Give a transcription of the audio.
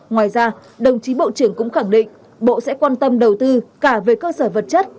ngoài ra đồng chí bộ trưởng cũng khẳng định bộ sẽ quan tâm đầu tư cả về cơ sở vật chất